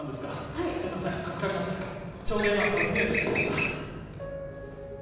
ちょうど今始めようとしていました。